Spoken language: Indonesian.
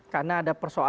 karena ada persoalan